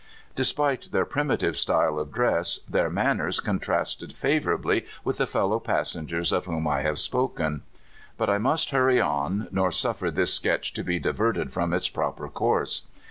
Despite their primitive style of dress, their manners contrasted favorably with the fellow passengers of whom I have spoken. But I must hurry on, nor suffer this sketch to be diverted from its proper course.